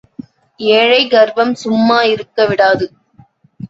ஏழை கர்வம் சும்மா இருக்கவிடாது.